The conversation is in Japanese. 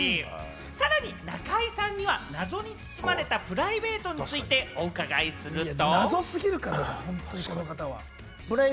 さらに中居さんには謎に包まれたプライベートについてお伺いすると。